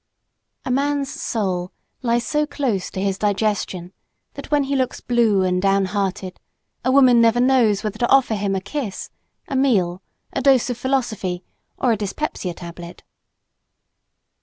A man's soul lies so close to his digestion that when he looks blue and downhearted, a woman never knows whether to offer him a kiss, a meal, a dose of philosophy or a dyspepsia tablet.